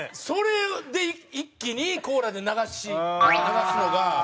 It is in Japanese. それで一気にコーラで流すのが。